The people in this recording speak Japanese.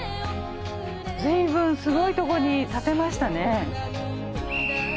ずいぶんすごいとこに建てましたね。